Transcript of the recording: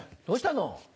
どうしたの？